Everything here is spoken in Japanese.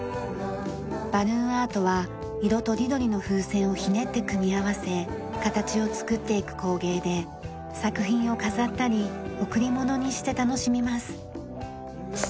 バルーンアートは色とりどりの風船をひねって組み合わせ形を作っていく工芸で作品を飾ったり贈り物にして楽しみます。